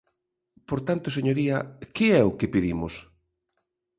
Por tanto, señoría, ¿que é o que pedimos?